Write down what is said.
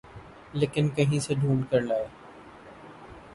لیکن کہیں سے ڈھونڈ کے لائے۔